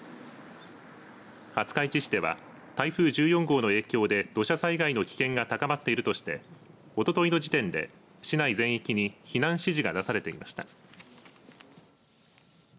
廿日市市では台風１４号の影響で土砂災害の危険が高まっているとしておとといの時点で、市内全域に避難指示が出されていました。